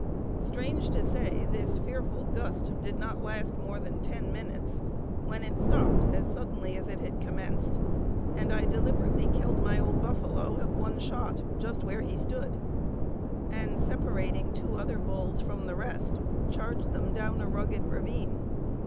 Strange to say, this fearful gust did not last more than ten minutes, when it stopped as suddenly as it had commenced, and I deliberately killed my old buffalo at one shot, just where he stood, and, separating two other bulls from the rest, charged them down a rugged ravine.